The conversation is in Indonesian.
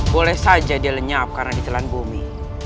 boleh saja dia lenyap karena ditelan bumi